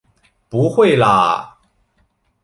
不会啦！